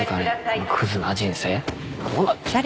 こんなクズな人生。